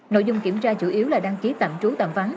nội dung kiểm tra chủ yếu là đăng ký tạm trú tạm vắng